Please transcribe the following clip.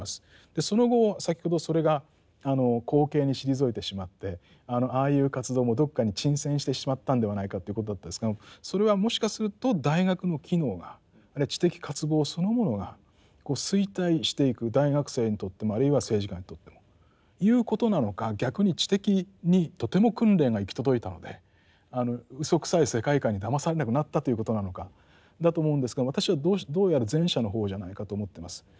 その後先ほどそれが後景に退いてしまってああいう活動もどっかに沈潜してしまったんではないかということだったですけどもそれはもしかすると大学の機能があるいは知的渇望そのものが衰退していく大学生にとってもあるいは政治家にとってもいうことなのか逆に知的にとても訓練が行き届いたのであのうそくさい世界観にだまされなくなったということなのかだと思うんですけども私はどうやら前者の方じゃないかと思ってます。